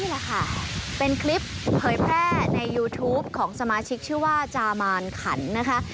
แหละค่ะเป็นคลิปเผยแพร่ในยูทูปของสมาชิกชื่อว่าจามานขันนะคะ